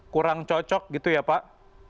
kurang cocok gitu ya pak